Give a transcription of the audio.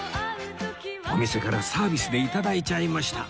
お店からサービスで頂いちゃいました